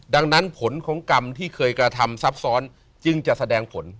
ดังนั้นผลของกรรมที่เคยกระทำซับซ้อนจึงจะแสดงผล